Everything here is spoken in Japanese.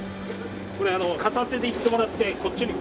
これ片手でいってもらってこっちにボンッて。